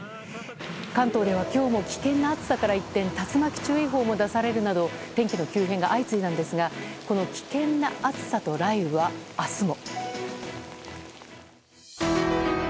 関東では今日も危険な暑さから一転竜巻注意報も出されるなど天気の急変が相次いだんですがこの危険な暑さと雷雨は明日も。